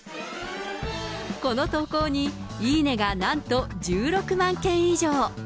この投稿にいいねがなんと１６万件以上。